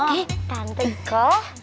eh tante iko